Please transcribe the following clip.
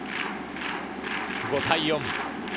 ５対４。